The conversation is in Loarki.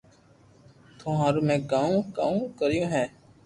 تو ھارو ۾ ڪاو ڪاو ڪريو ھي